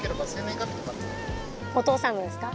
お父さんのですか？